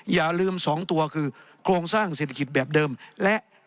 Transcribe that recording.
อย่าลืม๒ตัวคือโครงสร้างเศรษฐกิจแบบเดิมและ